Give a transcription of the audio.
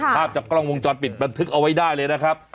ภาพจากกล้องวงจรปิดบันทึกเอาไว้ได้เลยนะครับ